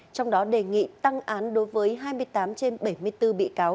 trong đó đề nghị tăng án đối với hai mươi tám trên bảy mươi bốn bị cáo